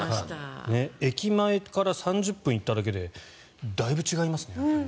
駅前から３０分行っただけでだいぶ違いますね。